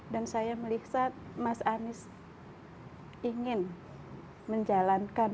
dan saya melihat mas anies ingin menjalankan